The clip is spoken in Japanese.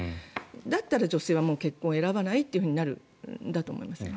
だったら女性はもう結婚を選ばないとなるんだと思います。